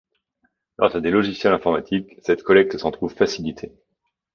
Grâce à des logiciels informatiques, cette collecte s’en trouve facilitée.